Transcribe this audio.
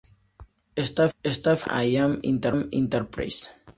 Está afiliada a I'm Enterprise.